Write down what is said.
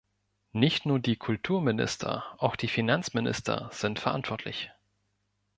Nicht nur die Kulturminister, auch die Finanzminister sind verantwortlich.